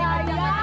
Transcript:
eh dah semua